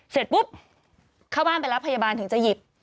เสร็จปุ๊บเข้าบ้านไปรับพยาบาลถึงจะหยิบ